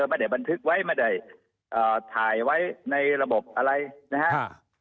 ไม่ได้บันทึกไว้ไม่ได้ถ่ายไว้ในระบบอะไรนะครับ